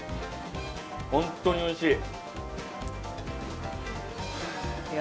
本当においしい。